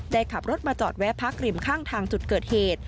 ขับรถมาจอดแวะพักริมข้างทางจุดเกิดเหตุ